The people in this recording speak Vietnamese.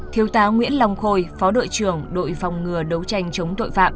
thiếu tá nguyễn long khôi phó đội trưởng đội phòng ngừa đấu tranh chống tội phạm